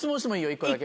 １個だけ。